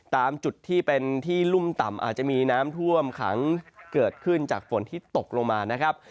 ตามจุดที่เป็นที่รุ่มต่ำอาจจะมีน้ำท่วมขังเกิดขึ้นจากฝนที่ตกลงมานะครับ